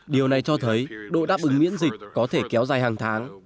điều này cho thấy độ đáp ứng miễn dịch có thể kéo dài hàng tháng